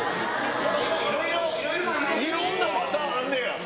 いろんなパターンあんねや。